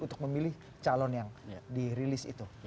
untuk memilih calon yang dirilis itu